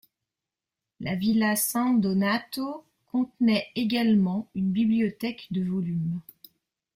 La villa San Donato contenait également une bibliothèque de volumes.